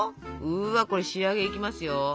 うわこれ仕上げいきますよ。